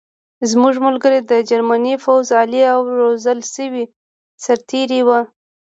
زموږ ملګري د جرمني پوځ عالي او روزل شوي سرتېري وو